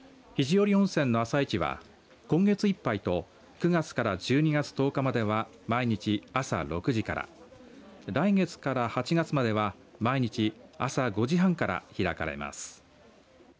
肘折温泉の朝市は今月いっぱいと９月から１２月１０日までは毎日、朝６時から来月から８月までは毎日朝５時半から開かれます。